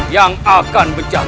jangan satu hari lagi